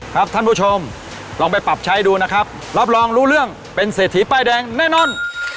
ท่านผู้ชมลองไปปรับใช้ดูนะครับรับรองรู้เรื่องเป็นเศรษฐีป้ายแดงแน่นอน